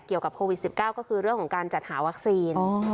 เกี่ยวกับโควิด๑๙ก็คือเรื่องของการจัดหาวัคซีน